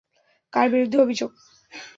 কার বিরুদ্ধে অভিযোগ?